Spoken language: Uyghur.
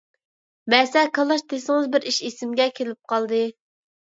مەسە-كالاچ دېسىڭىز بىر ئىش ئېسىمگە كېلىپ قالدى.